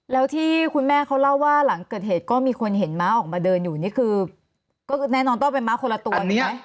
แล้วที่คุณแม่เขาเล่าว่าหลังเกิดเหตุก็มีคนเห็นม้าออกมาเดินอยู่นี่คือก็แน่นอนต้องเป็นม้าคนละตัวใช่ไหม